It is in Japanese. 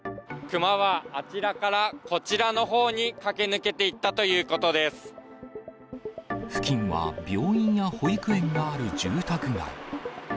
熊はあちらからこちらのほうに駆け抜けていったということで付近は病院や保育園がある住宅街。